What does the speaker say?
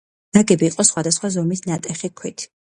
ნაგები იყო სხვადასხვა ზომის ნატეხი ქვით.